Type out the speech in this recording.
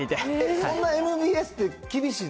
そんなＭＢＳって、厳しいの？